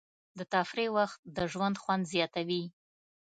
د تفریح وخت د ژوند خوند زیاتوي.